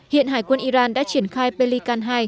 hiện hải quân iran đã triển khai pelican hai